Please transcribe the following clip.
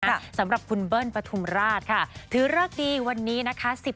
สำหรับคุณเบิ้ลปฐุมราชค่ะถือเลิกดีวันนี้นะคะ